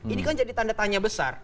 ini kan jadi tanda tanya besar